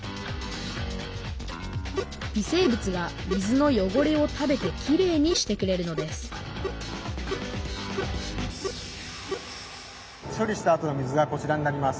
微生物が水の汚れを食べてきれいにしてくれるのです処理したあとの水がこちらになります。